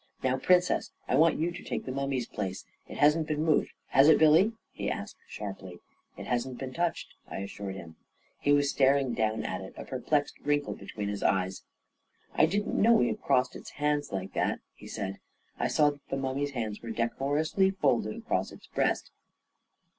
" Now, Princess, I want you to take the mummy's place ... It hasn't been moved, has it, Billy? " he asked sharply. A KING IN BABYLON 183 " It hasn't been touched," I assured him. He was staring down at it, a perplexed wrinkle between his eyes. " I didn't know we had crossed its hands like that," he said, and I saw that the mummy's hands were decorously folded across its breast.